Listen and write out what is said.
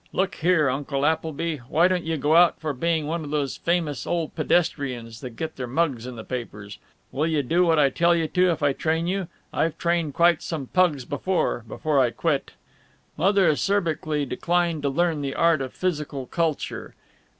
Look here, Uncle Appleby, why don't you go out for being one of these famous old pedestrians that get their mugs in the papers? Will you do what I tell you to, if I train you? I've trained quite some pugs before before I quit." Mother acerbically declined to learn the art of physical culture.